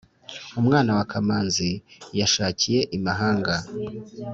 Umwana wa Kamanzi yashakiye imahanga